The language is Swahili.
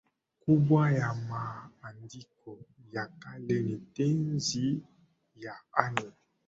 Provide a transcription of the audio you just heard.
kubwa ya maandiko ya kale ni tenzi yaani